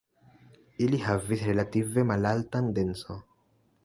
Ili havas relative malaltan denso.